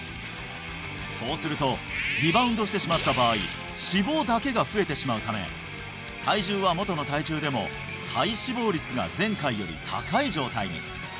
そうするとリバウンドしてしまった場合脂肪だけが増えてしまうため体重は元の体重でも体脂肪率が前回より高い状態に！